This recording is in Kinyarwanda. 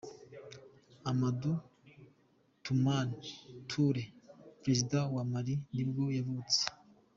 Amadou Toumani Touré, perezida wa Mali nibwo yavutse.